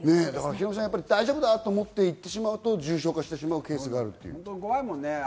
ヒロミさん、大丈夫だと思っていってしまうと重症化するケースがあるというね。